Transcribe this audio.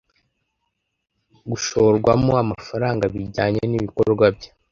Gushorwamo amafaranga bijyanye n ibikorwa bye